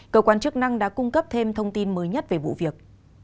cơ quan chức năng đã cung cấp thêm thông tin mới nhất về vụ việc